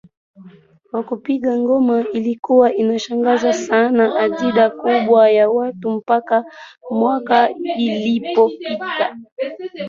wa kupiga ngoma ilikuwa ikishangaza sana idadi kubwa ya watu mpaka mwaka uliopita mwaka